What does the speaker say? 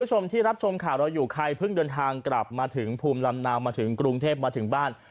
คุณผู้ชมที่รับชมข่าวเราอยู่ใครเพิ่งเดินทางกลับมาถึงภูมิลำเนามาถึงกรุงเทพมาถึงบ้าน